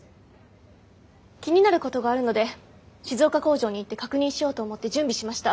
気になることがあるので静岡工場に行って確認しようと思って準備しました。